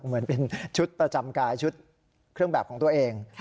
เหมือนเป็นชุดประจำกายชุดเครื่องแบบของตัวเอง